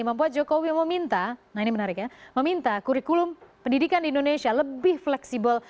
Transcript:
membuat jokowi meminta nah ini menarik ya meminta kurikulum pendidikan di indonesia lebih fleksibel